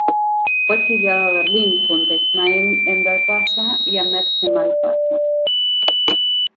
Fue exiliado a Berlín, junto con Ismail Enver Paşa y Ahmed Cemal Paşa.